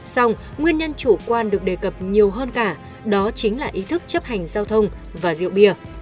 xong nguyên nhân chủ quan được đề cập nhiều hơn cả đó chính là ý thức chấp hành giao thông và rượu bia